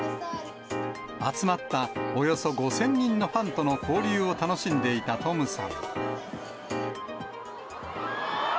集まったおよそ５０００人のファンとの交流を楽しんでいたトムさん。